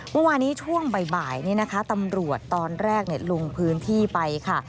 เมื่อวานี้ช่วงบ่ายนี้นะคะตำรวจตอนแรกลงพื้นที่ไปค่ะ